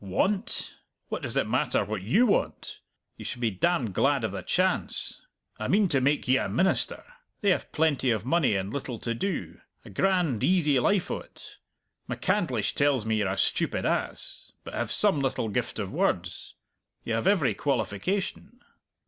"Want! what does it matter what you want? You should be damned glad of the chance! I mean to make ye a minister; they have plenty of money and little to do a grand, easy life o't. MacCandlish tells me you're a stupid ass, but have some little gift of words. You have every qualification!"